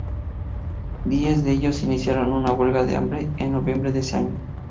Diez de ellos iniciaron una huelga de hambre en noviembre de ese año.